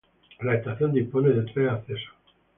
La estación dispone de tres accesos.